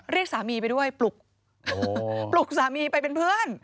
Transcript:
เรียกสามีไปด้วยปลุกปลุกสามีไปเป็นเพื่อน